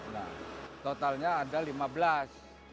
nah totalnya ada lima belas